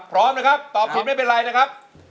พร้อมนะครับตอบผิดไม่เป็นไรนะครับ